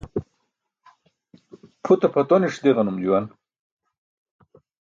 Pʰute pʰatoniṣ diġanum juwan.